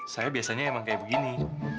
saya biasanya emang kayak begini